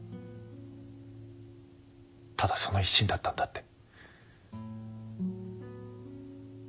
ただその一心だったんだって。